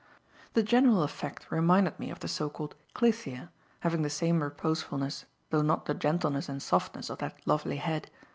The general effect reminded me of the so called "Clytie," having the same reposefulness though not the gentleness and softness of that lovely head.